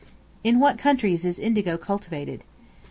In what countries is Indigo cultivated?